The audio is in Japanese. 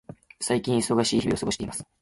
最近、忙しい日々を過ごしています。